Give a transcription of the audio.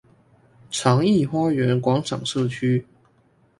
長億花園廣場社區